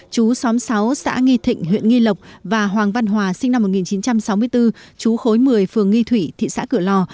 chú xóm sáu xã nghi thịnh huyện nghi lộc và hoàng văn hòa sinh năm một nghìn chín trăm sáu mươi bốn chú khối một mươi phường nghi thủy thị xã cửa lò